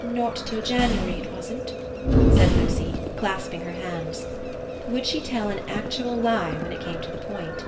"Not till January, it wasn't," said Lucy, clasping her hands. Would she tell an actual lie when it came to the point?